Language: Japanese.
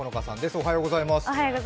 おはようございます。